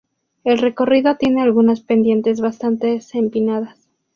El recorrido tiene algunas pendientes bastante empinadas.